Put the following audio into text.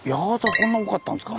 こんな多かったんですか。